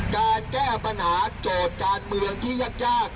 การแก้ปัญหาโจทย์การเมืองที่ยาก